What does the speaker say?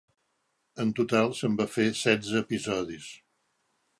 En total se'n van fer setze episodis.